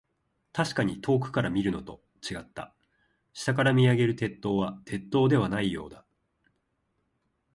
確かに遠くから見るのと、違った。下から見上げる鉄塔は、鉄塔ではないようだ。